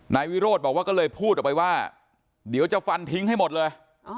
นายวิโรธบอกว่าก็เลยพูดออกไปว่าเดี๋ยวจะฟันทิ้งให้หมดเลย